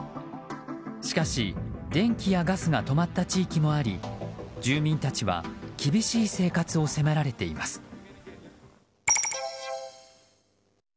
しかし、電気やガスが止まった地域もあり住民たちは厳しい生活を迫られています。